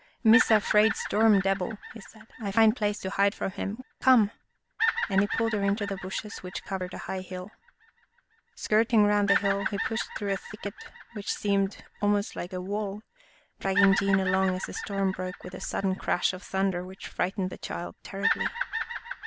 " Missa 'fraid Storm debil," he said. " I find place to hide from him. Come !" and he pulled her into the bushes which covered a high hill. Skirting round the hill, he pushed through a thicket which seemed almost like a wall, drag ging Jean along as the storm broke with a sud den crash of thunder which frightened the child terribly.